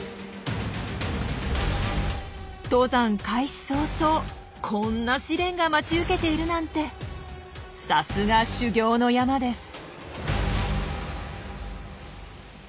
登山開始早々こんな試練が待ち受けているなんてさすが修行の山です。